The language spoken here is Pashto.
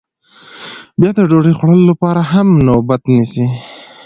بیا د ډوډۍ خوړلو لپاره هم نوبت نیسي